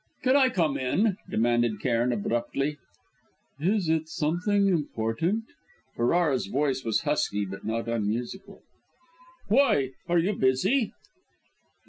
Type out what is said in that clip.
"Can I come in?" demanded Cairn abruptly. "Is it something important?" Ferrara's voice was husky but not unmusical. "Why, are you busy?"